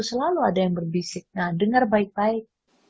selalu ada yang berbisik nah dengar baik baik